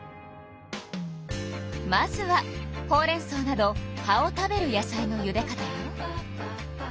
まずはほうれんそうなど葉を食べる野菜のゆで方よ。